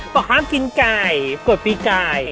ขอห้ามกินไก่ปรวดปีกาย